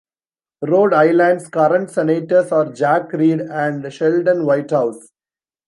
Rhode Island's current senators are Jack Reed and Sheldon Whitehouse.